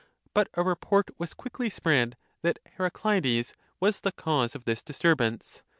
But a report was quickly spread, that Heracleides was the cause of this disturbance.